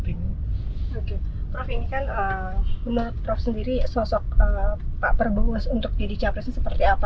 prof ini kan menurut prof sendiri sosok pak prabowo untuk jadi capresnya seperti apa